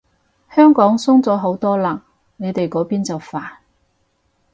香港鬆咗好多嘞，你哋嗰邊就煩